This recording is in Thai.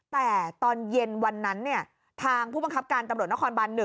แต่ตอนเย็นวันนั้นทางผู้บังคับการตำรวจนครบัน๑